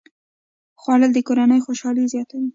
خوړل د کورنۍ خوشالي زیاته وي